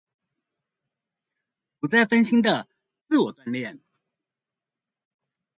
不再分心的自我鍛鍊